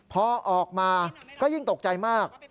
พอออกมาก็ยิ่งตกใจมาก